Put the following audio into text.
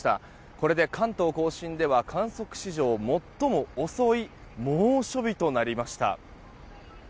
これで関東・甲信では観測史上最も遅い猛暑日となりました。